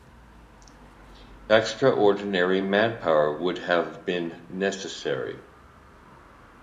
Extraordinary manpower would have been necessary.